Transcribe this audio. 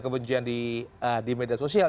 kebencian di media sosial